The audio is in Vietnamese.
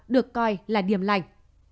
được coi là điểm lành